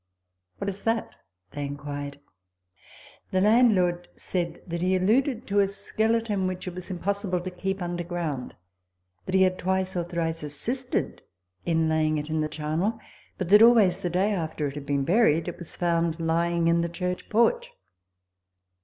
" What is that ?" they inquired. The landlord said that he alluded to a skeleton which it was impossible to keep under ground ; that he had twice or thrice assisted in laying it in the charnel, but that always, the day after it had been buried, it was found lying in the church porch.